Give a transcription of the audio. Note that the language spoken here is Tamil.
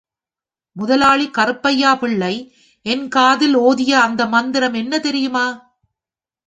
முதலாளி கருப்பையா பிள்ளை என் காதில் ஒதிய அந்த மந்திரம் என்ன தெரியுமா?